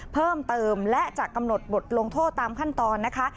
เพิ่มเติมและจะกำหนดบทลงโทษตามขั้นตอนนะคะ